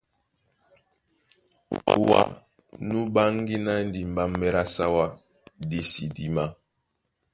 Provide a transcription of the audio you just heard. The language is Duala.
Wǎ nú ɓáŋgí ná dimbámbɛ́ lá Sáwá dí sí dímá.